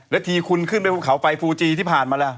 แล้วทีคุณขึ้นไปภูเขาไฟฟูจีที่ผ่านมาล่ะ